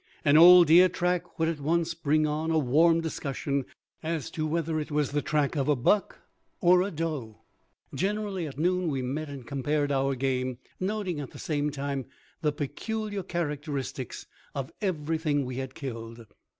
An old deer track would at once bring on a warm discussion as to whether it was the track of a buck or a doe. Generally, at noon, we met and compared our game, noting at the same time the peculiar characteristics of everything we had killed.